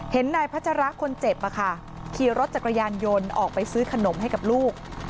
เห็นนายพระจาระคนเจ็บมาค่ะขี่รถจักรยานยนต์ออกไปซื้อขนมให้กับลูก